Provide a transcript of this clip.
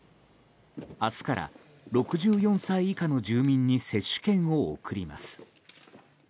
明日から６４歳以下の住民に接種券を送ります。